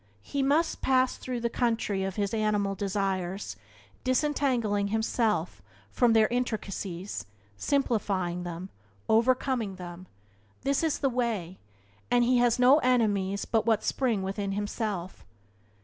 He must pass through the country of his animal desires, disentangling himself from their intricacies, simplifying them, overcoming them; this is the way, and he has no enemies but what spring within himself.